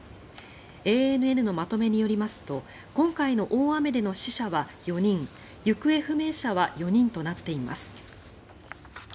ＡＮＮのまとめによりますと今回の大雨での死者は４人行方不明者は４人となっています。